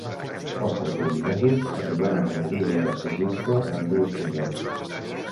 Els cartaginesos arribaren en ajuda de Segesta en dues tongades.